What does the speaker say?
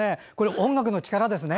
音楽の力ですね。